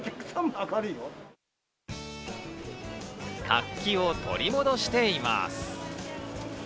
活気を取り戻しています。